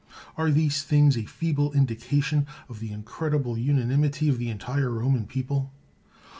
Are these things a feeble indication of the incredible unanimity of the entire Roman people?